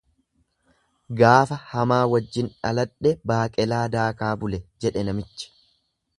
Gaafa hamaa wajjin dhaladhe baaqelaa daakaa bule, jedhe namichi.